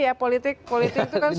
ya politik itu kan sudah bisa